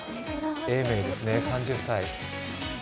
永明ですね、３０歳。